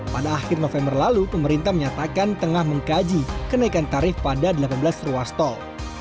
pada akhir november lalu pemerintah menyatakan tengah mengkaji kenaikan tarif pada delapan belas ruas tol